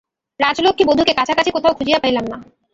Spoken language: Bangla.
রাজলক্ষ্মী বধূকে কাছাকাছি কোথাও খুঁজিয়া পাইলেন না।